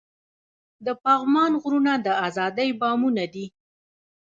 د پغمان غرونه د ازادۍ بامونه دي.